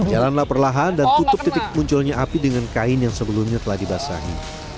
jalanlah perlahan dan tutup titik munculnya api dengan kain yang sebelumnya telah dibasahi